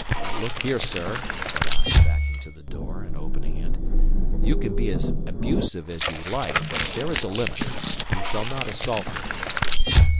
"Look here, sir," said I, backing to the door and opening it; "you can be as abusive as you like. But there is a limit. You shall not assault me."